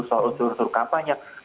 soal unsur unsur kampanye